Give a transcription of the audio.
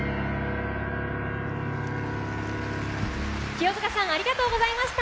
清塚さんありがとうございました。